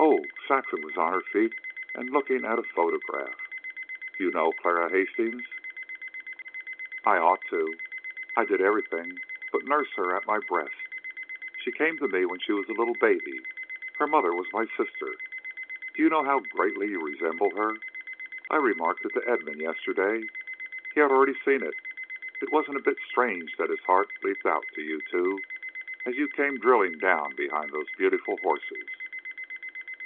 "Oh!" Saxon was on her feet and looking at a photograph. "You know Clara Hastings!" "I ought to. I did everything but nurse her at my breast. She came to me when she was a little baby. Her mother was my sister. Do you know how greatly you resemble her? I remarked it to Edmund yesterday. He had already seen it. It wasn't a bit strange that his heart leaped out to you two as you came drilling down behind those beautiful horses."